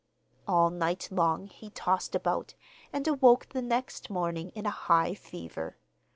All night long he tossed about, and awoke the next morning in a high fever.